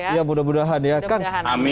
ya mudah mudahan ya kang amin